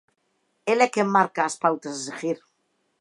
El é quen marca as pautas a seguir.